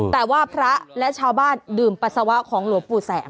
แต่ว่าพระและชาวบ้านดื่มปัสสาวะของหลวงปู่แสง